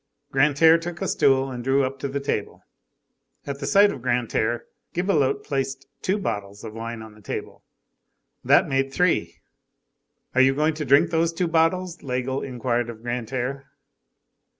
Grantaire took a stool and drew up to the table. At the sight of Grantaire, Gibelotte placed two bottles of wine on the table. That made three. "Are you going to drink those two bottles?" Laigle inquired of Grantaire.